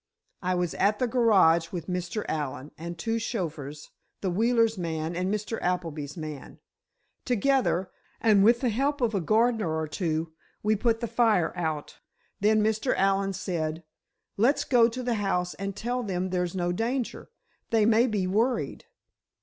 "I was at the garage with Mr. Allen, and two chauffeurs—the Wheelers' man and Mr. Appleby's man. Together, and with the help of a gardener or two, we put the fire out. Then Mr. Allen said: 'Let's go to the house and tell them there's no danger. They may be worried.